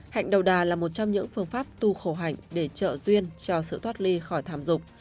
hạnh đầu đà là một trong những phương pháp tu khổ hạnh để trợ duyên cho sự thoát ly khỏi thảm dục